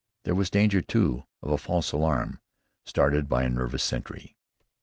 There was danger, too, of a false alarm started by a nervous sentry.